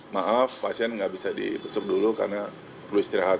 maaf pasien nggak bisa dibesuk dulu karena perlu istirahat